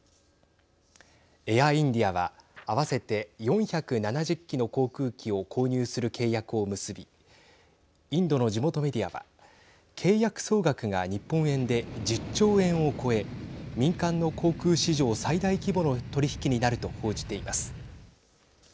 エア・インディアは合わせて４７０機の航空機を購入する契約を結びインドの地元メディアは契約総額が日本円で１０兆円を超え民間の航空史上最大規模の取り引きになると報じています。